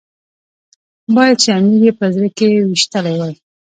باید چې امیر یې په زړه کې ويشتلی وای.